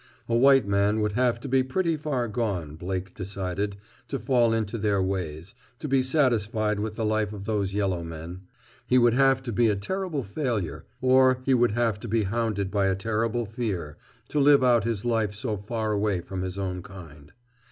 A white man would have to be pretty far gone, Blake decided, to fall into their ways, to be satisfied with the life of those yellow men. He would have to be a terrible failure, or he would have to be hounded by a terrible fear, to live out his life so far away from his own kind.